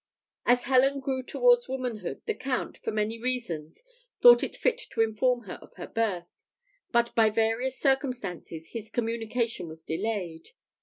As Helen grew towards womanhood, the Count, for many reasons, thought it fit to inform her of her birth; but by various circumstances his communication was delayed.